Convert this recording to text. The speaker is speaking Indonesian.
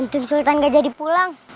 sultan gak jadi pulang